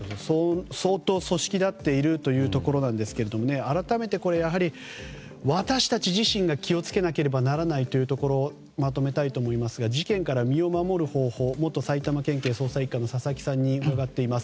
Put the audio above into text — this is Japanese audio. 相当、組織立っているというところですが改めて、私たち自身が気を付けなくてはならないところまとめたいと思いますが事件から身を守る方法を元埼玉県警捜査１課の佐々木さんに伺っています。